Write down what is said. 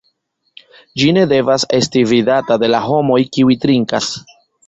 Ĝi ne devas esti vidata de la homoj, kiuj trinkas.